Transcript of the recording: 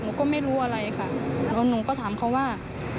หนูก็ไม่รู้อะไรค่ะแล้วหนูก็ถามเขาว่า